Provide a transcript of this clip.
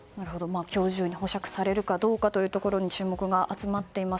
今日中に保釈されるかどうかに注目が集まっています。